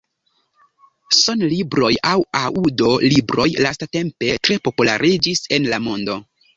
Sonlibroj aŭ aŭdo-libroj lastatempe tre populariĝis en la mondo.